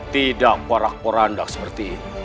tidak porak poranda seperti ini